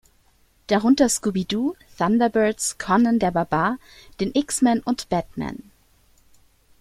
Darunter Scooby Doo, Thunderbirds, Conan der Barbar, den X-Men und Batman.